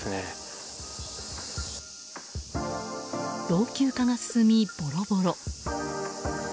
老朽化が進み、ボロボロ。